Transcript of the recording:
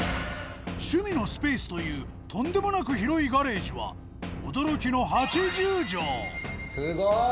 趣味のスペースというとんでもなく広いガレージは驚きのすごい。